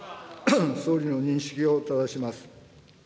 総理の認識をただします。